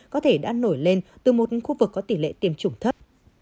có thể đã nổi lên từ một khu vực có tỷ lệ tiêm chủng thấp